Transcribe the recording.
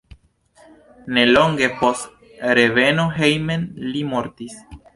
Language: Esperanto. Nelonge post reveno hejmen li mortis.